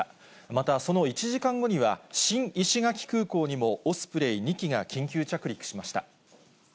また、その１時間後には、新石垣空港にもオスプレイ２機が緊急着陸しました。